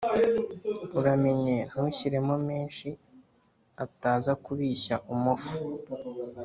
uramenye ntushyiremo menshi ataza kubishya umufa